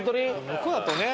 向こうだとね